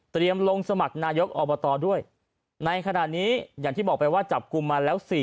ลงสมัครนายกอบตด้วยในขณะนี้อย่างที่บอกไปว่าจับกลุ่มมาแล้ว